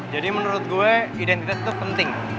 jadi menurut gue identitas tuh penting